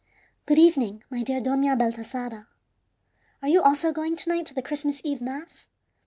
"Good evening, my dear Dona Baltasara. Are you also going to night to the Christmas Eve mass?